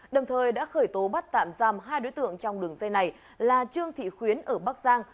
đồng thời đã khởi tố bắt tạm giam hai đối tượng trong đường dây này là trương thị khuyến ở bắc giang